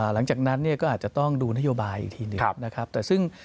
หลังจากนั้นก็อาจจะต้องดูนโยบายอีกทีหนึ่ง